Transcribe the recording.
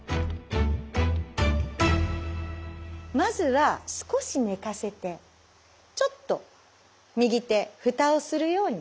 まずは少し寝かせてちょっと右手ふたをするように寝かせて。